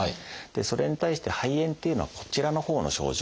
それに対して肺炎っていうのはこちらのほうの症状。